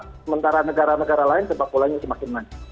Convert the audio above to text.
sementara negara negara lain sepak bolanya semakin maju